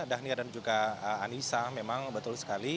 dhania dan juga anissa memang betul sekali